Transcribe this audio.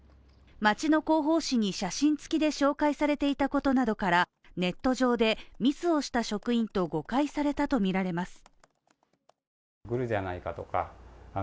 町の広報紙に写真つきで紹介されていたことなどからネット上でミスをした職員と誤解されたとみられます。